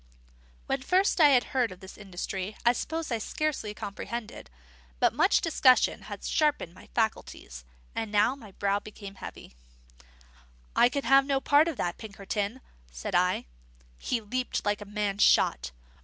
When first I had heard of this industry I suppose I scarcely comprehended; but much discussion had sharpened my faculties, and now my brow became heavy. "I can be no party to that, Pinkerton," said I. He leaped like a man shot.